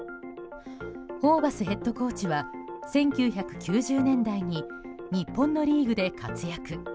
ホーバスヘッドコーチは１９９０年代に日本のリーグで活躍。